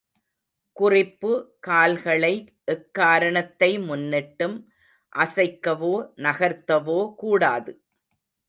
குறிப்பு கால்களை எக்காரணத்தை முன்னிட்டும் அசைக்கவோ நகர்த்தவோ கூடாது.